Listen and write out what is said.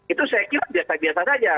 itu saya kira biasa biasa saja